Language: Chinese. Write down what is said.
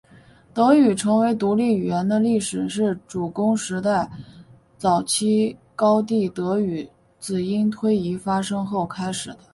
德语成为独立语言的历史是中古时代早期高地德语子音推移发生后开始的。